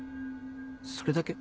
それだけ？